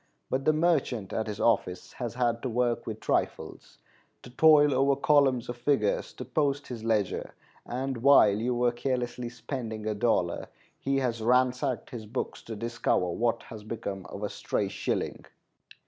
But the merchant at his office has had to work with trifles, to toil over columns of figures to post his ledger; and while you were carelessly spending a dollar, he has ransacked his books to discover what has become of a stray shilling.